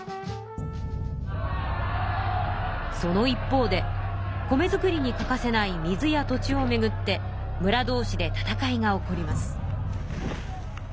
その一方で米作りに欠かせない水や土地をめぐってむら同士で戦いが起こります。